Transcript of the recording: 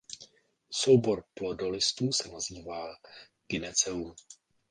Soubor plodolistů se nazývá gyneceum.